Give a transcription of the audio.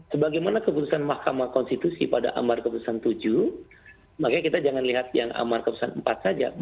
sebagaimana keputusan mahkamah konstitusi pada amar keputusan tujuh maka kita jangan lihat yang amar keputusan empat saja